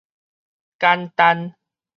簡單